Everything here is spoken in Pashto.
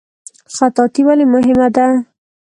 خطاطي ولې مهمه ده؟